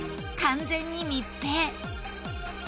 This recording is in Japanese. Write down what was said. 完全に密閉。